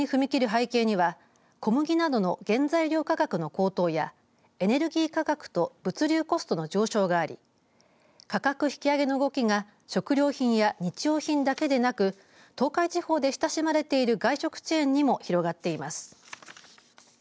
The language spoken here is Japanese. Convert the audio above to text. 背景には小麦などの原材料価格の高騰やエネルギー価格と物流コストの上昇があり価格引き上げの動きが食料品や日用品だけでなく東海地方で親しまれている外食チェーンにも広がっています。